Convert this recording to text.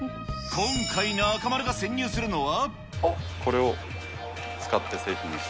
今回中丸が潜入するのは。